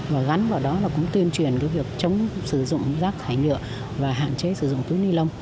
và gắn vào đó tuyên truyền việc chống sử dụng rác thải nhựa và hạn chế sử dụng túi ni lông